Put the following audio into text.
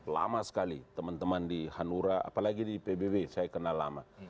lama sekali teman teman di hanura apalagi di pbb saya kenal lama